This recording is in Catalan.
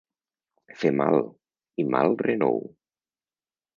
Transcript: Fer mal, i mal renou.